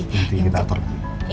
nanti kita aturin